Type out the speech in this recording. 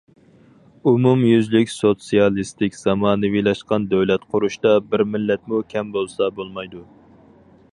ئومۇميۈزلۈك سوتسىيالىستىك زامانىۋىلاشقان دۆلەت قۇرۇشتا، بىر مىللەتمۇ كەم بولسا بولمايدۇ.